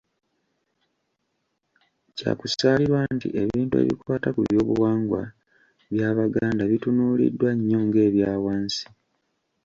Kya kusaalirwa nti ebintu ebikwata ku Byobuwangwa by’Abaganda bitunuuliddwa nnyo ng’ebya wansi!